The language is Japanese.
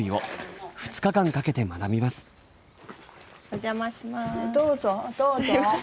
お邪魔します。